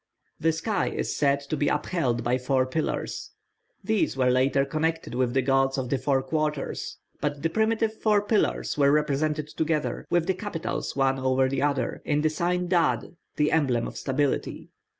The sky is said to be upheld by four pillars. These were later connected with the gods of the four quarters; but the primitive four pillars were represented together, with the capitals one over the other, in the sign dad, the emblem of stability.